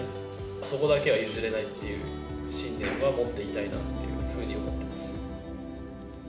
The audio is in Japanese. そこだけは外せないという信念は持っていたいなというふうに思っています。